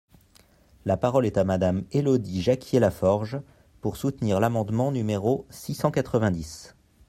La parole est à Madame Élodie Jacquier-Laforge, pour soutenir l’amendement numéro six cent quatre-vingt-dix.